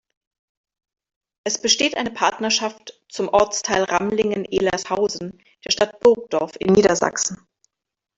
Es besteht eine Partnerschaft zum Ortsteil Ramlingen-Ehlershausen der Stadt Burgdorf in Niedersachsen.